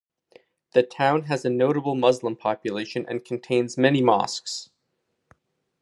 The town has a notable Muslim population and contains many mosques.